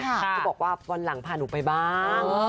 เขาบอกว่าวันหลังพาหนูไปบ้าง